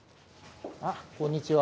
あっこんにちは。